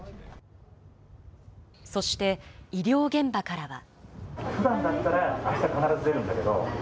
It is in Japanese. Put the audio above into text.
そして、医療現場からは。